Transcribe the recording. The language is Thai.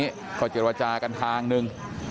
พวกเจรจากันทางนึง